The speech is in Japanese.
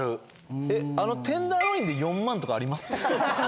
あのテンダーロインで４万とかあります？